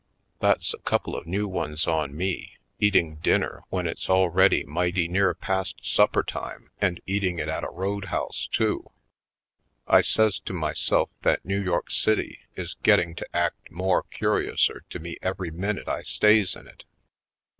That's a couple of new ones on me — eat ing dinner when it's already mighty near 54 /. Poindexter^ Colored past supper time and eating it at a road house, too ! I says to myself that New York City is* getting to act more curiouser to me every minute I stays in it.